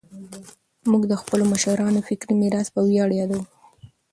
موږ د خپلو مشرانو فکري میراث په ویاړ یادوو.